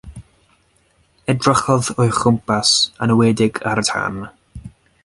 Edrychodd o'i chwmpas, yn enwedig ar y tân.